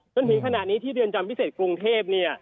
จนถึงขนาดนี้ที่เรือนจำพิเศษกรุงเทพ